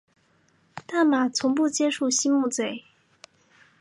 但马从不接触溪木贼。